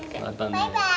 バイバイ！